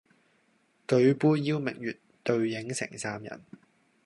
舉杯邀明月，對影成三人